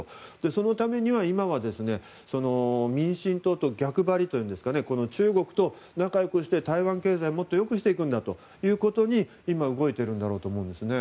そのためには今は、民進党と逆張りというか中国と仲良くして、台湾経済をもっと良くしていくんだということに今、動いているんだと思うんですね。